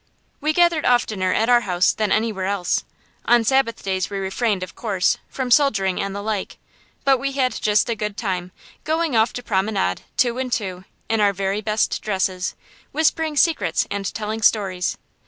We gathered oftener at our house than anywhere else. On Sabbath days we refrained, of course, from soldiering and the like, but we had just as good a time, going off to promenade, two and two, in our very best dresses; whispering secrets and telling stories.